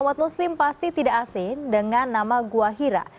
umat muslim pasti tidak asing dengan nama gua hira